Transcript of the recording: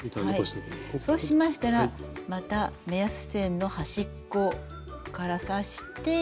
そうしましたらまた目安線の端っこから刺して。